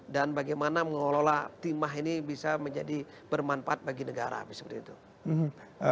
dan bagaimana mengelola timah ini bisa menjadi bermanfaat bagi negara